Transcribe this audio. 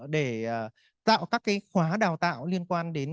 để tạo các cái khóa đào tạo liên quan đến